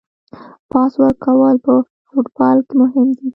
پاس ورکول په فوټبال کې مهم دي.